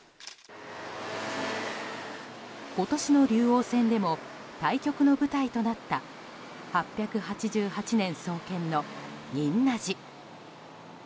今年の竜王戦でも対局の舞台となった８８８年創建の仁和寺。